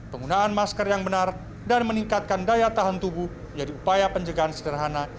penggunaan masker yang benar dan meningkatkan daya tahan tubuh menjadi upaya pencegahan sederhana